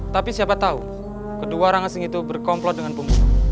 tapi siapa tahu kedua orang asing itu berkomplot dengan pembunuh